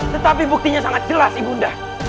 tetapi buktinya sangat jelas ibu nda